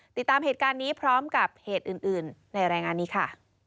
ติดตามเหตุการณ์นี้พร้อมกับเหตุอื่นในรายงานนี้ค่ะ